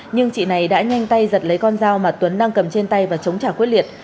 nhưng chị này đã nhanh tay giật lấy con dao mà tuấn đang cầm trên tay và chống trả quyết liệt